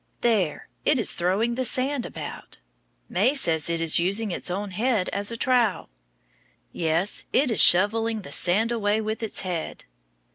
There! it is throwing the sand about. May says it is using its own head as a trowel. Yes, it is shovelling the sand away with its head.